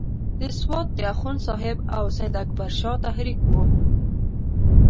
د سوات د اخوند صاحب او سید اکبر شاه تحریک وو.